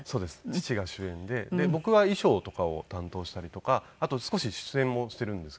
父が主演で僕は衣装とかを担当したりとかあと少し出演もしているんですけど。